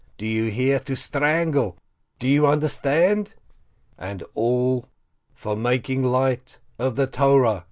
Do you hear? To strangle! Do you understand? And all four for making light of the Torah